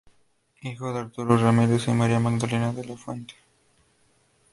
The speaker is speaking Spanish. Hijo de Arturo Ramírez y María Magdalena de la Fuente.